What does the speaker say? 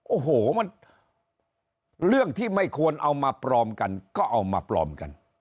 โอ้โหมันเรื่องที่ไม่ควรเอามาปลอมกันก็เอามาปลอมกัน